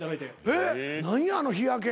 えっ何あの日焼け。